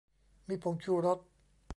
มีผงชูรส